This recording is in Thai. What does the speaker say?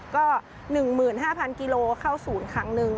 ก็๑๕๐๐กิโลเข้าศูนย์ครั้งหนึ่ง